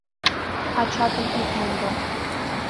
— Ачатым ит мондо...